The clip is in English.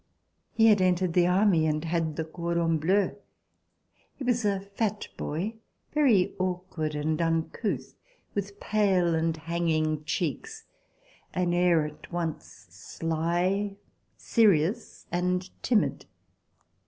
He had entered the Army and had the cordon bleu. He was a fat boy, very awkward and uncouth, with pale and hanging cheeks, an air at once sly, serious and timid.